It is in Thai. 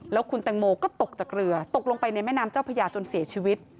แล้วคุณแตงโมก็ตกจากเรือตกลงไปในแม่น้ำเจ้าพญาจนเสียชีวิต